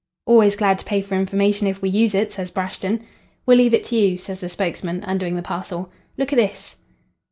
"'Always glad to pay for information if we use it,' says Brashton. "'We'll leave it to you,' says the spokesman, undoing the parcel. 'Look at this.'